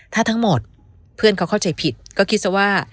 ถ้าทั้งหมดเพื่อนเขาเข้าใจผิดก็คิดซะว่า